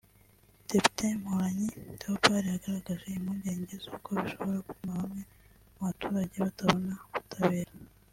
Depite Mporanyi Théobald yagaragaje impungenge z’uko bishobora gutuma bamwe mu baturage batabona ubutabera